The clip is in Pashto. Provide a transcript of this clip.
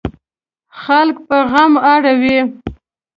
خلک په غم اړوي.